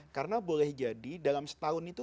karena boleh jadi dalam setahun itu